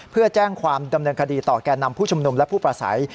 เพื่อแจ้งความดำเนินคดีต่อแก่นำผู้ชุมนุมและผู้ประสัย